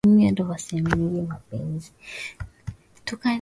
daima kuwepo hata wakati ambapo Agano la Kale litaondolewa na kusimikwa Agano jipya